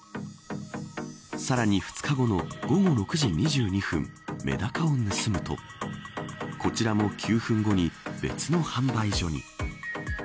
さらに２日後の午後６時２２分メダカを盗むとこちらも９分後に別の販売所に。